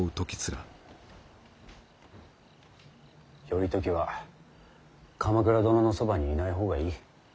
頼時は鎌倉殿のそばにいない方がいい。